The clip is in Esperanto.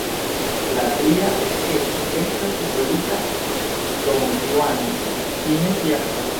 La tria skeĉo estas titolita Donjuano fine fiaskas.